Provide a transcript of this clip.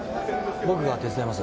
僕が手伝います